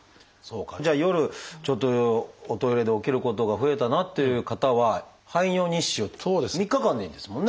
じゃあ夜ちょっとおトイレで起きることが増えたなっていう方は排尿日誌を３日間でいいんですもんね。